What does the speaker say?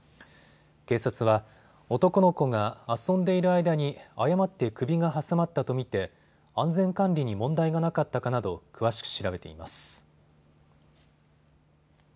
警察は男の子が遊んでいる間に誤って首が挟まったと見て安全管理に問題がなかったかなど詳しく調べています。